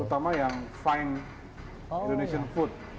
terutama yang fine indonesian food